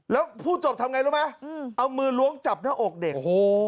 แล้วพูดจบทำไงรู้ไหมเอามือล้วงจับหน้าอกเด็ก